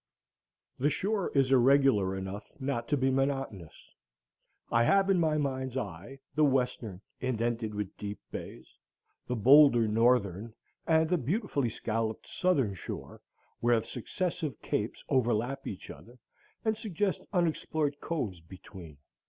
The shore is irregular enough not to be monotonous. I have in my mind's eye the western indented with deep bays, the bolder northern, and the beautifully scalloped southern shore, where successive capes overlap each other and suggest unexplored coves between.